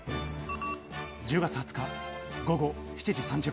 １０月２０日、午後７時３０分。